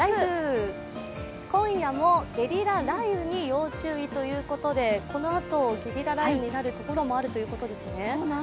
今夜もゲリラ雷雨に要注意ということで、このあと、ゲリラ雷雨になるところもあるということですね。